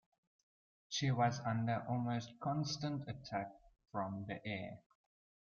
She was under almost constant attack from the air.